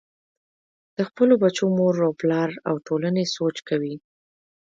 د خپلو بچو مور و پلار او ټولنې سوچ کوئ -